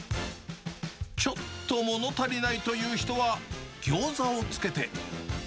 ちょっともの足りないという人は、ギョーザもつけて。